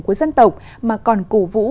của dân tộc mà còn cổ vũ